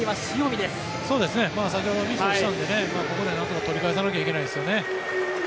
先ほどミスをしたのでここで何とか取り返さないといけないですよね。